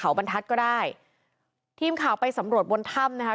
เขาบรรทัศน์ก็ได้ทีมข่าวไปสำรวจบนถ้ำนะคะ